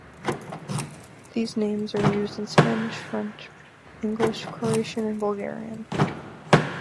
These names are used in Spanish, French, English, Croatian and Bulgarian.